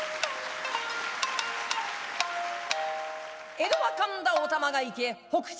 江戸は神田お玉が池北辰